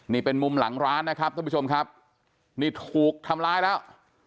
นี่เป็นมุมหลังร้านนะครับท่านผู้ชมครับนี่ถูกทำร้ายแล้ว